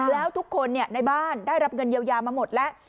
แล้วทุกคนในบ้านได้รับเงินเยียวยามาหมดแล้ว